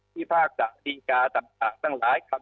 พี่พากศ์สถิกาสำจักรสังหลายครับ